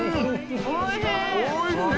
おいしい！